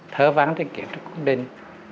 thơ văn trên kiến trúc quốc binh